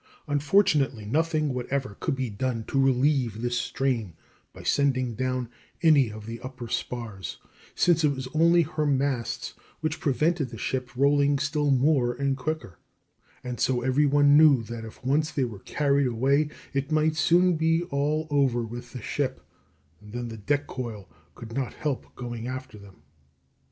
Unfortunately nothing whatever could be done to relieve this strain by sending down any of the upper spars, since it was only her masts which prevented the ship rolling still more and quicker; and so every one knew that if once they were carried away it might soon be all over with the ship, as then the deck coil could not help going after them.